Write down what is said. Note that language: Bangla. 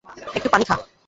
একটু পানি খা।